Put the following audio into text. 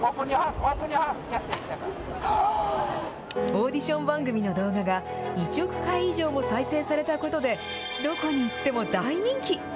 オーディション番組の動画が１億回以上も再生されたことで、どこに行っても大人気。